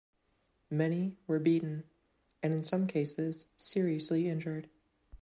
Many were beaten and in some cases seriously injured.